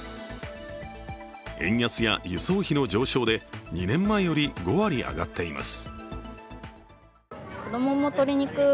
円安や輸送費の上昇で２年前より５割上がっています。